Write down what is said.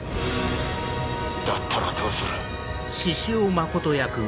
だったらどうする？